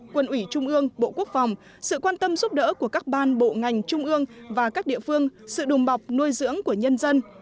quân ủy trung ương bộ quốc phòng sự quan tâm giúp đỡ của các ban bộ ngành trung ương và các địa phương sự đùm bọc nuôi dưỡng của nhân dân